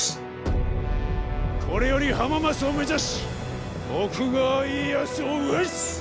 これより浜松を目指し徳川家康を討つ！